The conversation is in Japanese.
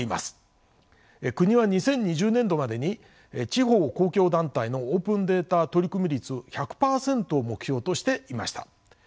国は２０２０年度までに地方公共団体のオープンデータ取り組み率１００％を目標としていました。